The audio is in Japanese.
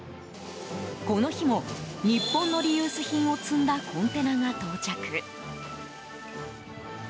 この日も、日本のリユース品を積んだコンテナが到着。